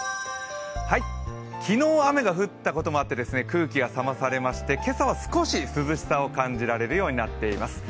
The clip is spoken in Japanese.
昨日、雨が降ったこともあって空気が冷まされまして、今朝は少し涼しさを感じるようになっています